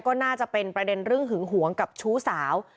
ก็น่าจะเป็นประเด็นเรื่องหึงหวงกับชู้สาว